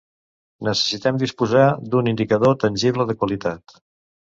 Necessitem disposar d'un indicador tangible de qualitat.